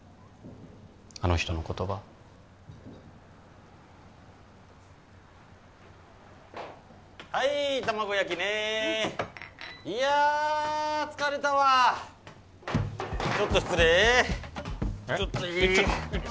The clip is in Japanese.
あの人の言葉はい卵焼きねいや疲れたわちょっと失礼ちょっといい？